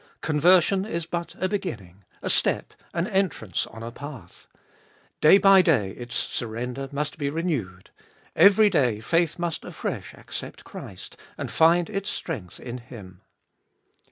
Conversion is but a beginning, a step, an entrance on a path ; day by day its surrender must be renewed ; every day faith must afresh accept Christ, and find its strength in Him.